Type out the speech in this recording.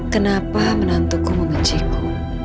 kenapa menantuku memeciku